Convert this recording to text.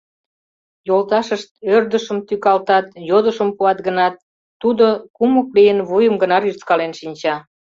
Йолташышт ӧрдыжшым тӱкалтат, йодышым пуат гынат, тудо, кумык лийын, вуйым гына рӱзкален шинча.